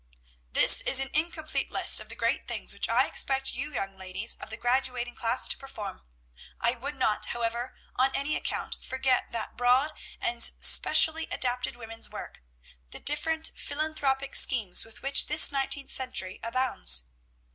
"This is an incomplete list of the great things which I expect you young ladies of the graduating class to perform. I would not, however, on any account, forget that broad and specially adapted woman's work, the different philanthropic schemes with which this nineteenth century abounds.